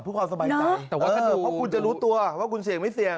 เพื่อความสบายใจแต่ว่าเสนอเพราะคุณจะรู้ตัวว่าคุณเสี่ยงไม่เสี่ยง